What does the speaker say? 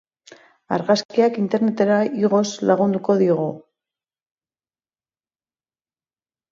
Argazkiak Internetera igoz lagunduko diogu.